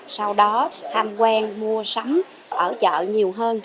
sau đó tham quan mua sắm ở chợ nhiều hơn